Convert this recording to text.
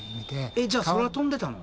えっじゃあ空飛んでたの？